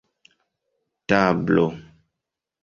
tablo